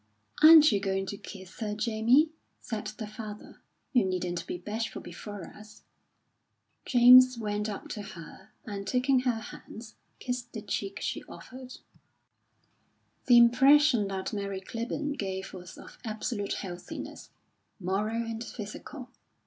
"Aren't you going to kiss her, Jamie?" said the father. "You needn't be bashful before us." James went up to her, and taking her hands, kissed the cheek she offered. The impression that Mary Clibborn gave was of absolute healthiness, moral and physical.